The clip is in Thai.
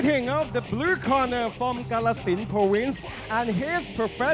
เดินทางมาถึงคู่ที่๔ของรายการหรือว่าร้องคู่เอกของรายการครับ